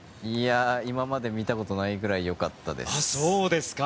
今まで見たことないぐらいよかったです。